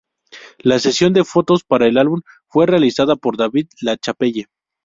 La sesión de fotos para el álbum fue realizada por David LaChapelle.